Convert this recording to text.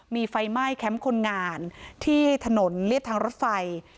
มีไฟไหม้แคมป์คนงานที่ถนนเรียบทางรถไฟ